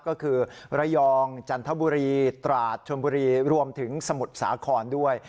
ก็คือระยองจันทบุรีตราดชนบุรีรวมถึงสมุทรสาครด้วย